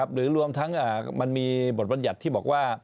หรือรวมทั้งมันมีบทบัญญัติที่บอกว่า